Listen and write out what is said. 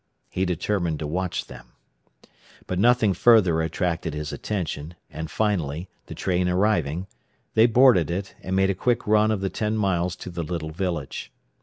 He determined to watch them. But nothing further attracted his attention, and finally, the train arriving, they boarded it, and made a quick run of the ten miles to the little village.